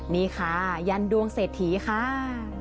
นี่ค่ะยันดวงเศรษฐีค่ะ